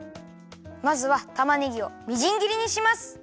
まずはたまねぎをみじんぎりにします。